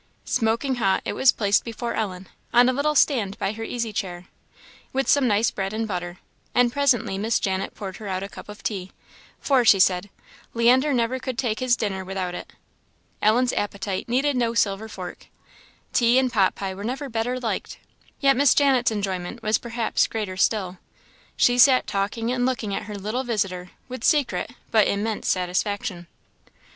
Smoking hot, it was placed before Ellen, on a little stand by her easy chair, with some nice bread and butter; and presently Miss Janet poured her out a cup of tea; "for," she said, "Leander never could take his dinner without it." Ellen's appetite needed no silver fork. Tea and pot pie were never better liked; yet Miss Janet's enjoyment was perhaps greater still. She sat talking and looking at her little visitor with secret but immense satisfaction.